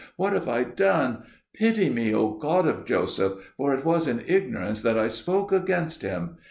what have I done? Pity me, O God of Joseph, for it was in ignorance that I spoke against him.